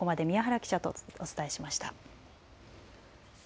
ここまで宮原記者とお伝えしました。